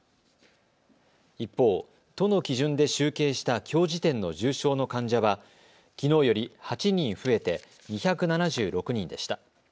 一方、都の基準で集計したきょう時点の重症の患者はきのうより８人増えて２７６人でした。